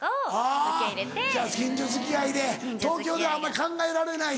じゃあ近所付き合いで東京ではあんまり考えられない。